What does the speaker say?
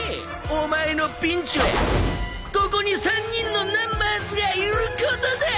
お前のピンチはここに３人のナンバーズがいることだ！